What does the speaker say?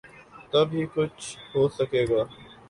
تب ہی کچھ ہو سکے گا۔